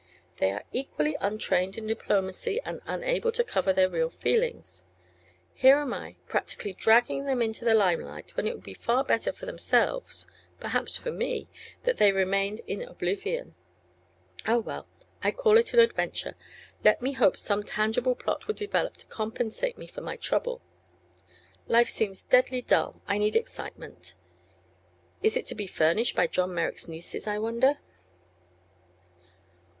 They are equally untrained in diplomacy and unable to cover their real feelings. Here am I, practically dragging them into the limelight, when it would be far better for themselves perhaps for me that they remained in oblivion. Ah, well: I called it an adventure: let me hope some tangible plot will develop to compensate me for my trouble. Life seems deadly dull; I need excitement. Is it to be furnished by John Merrick's nieces, I wonder?"